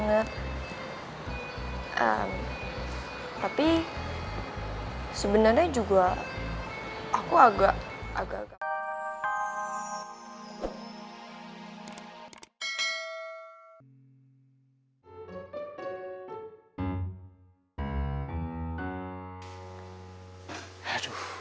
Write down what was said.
ekspresinya juga bagus ya